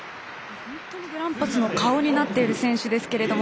本当にグランパスの顔になっている選手ですけれども。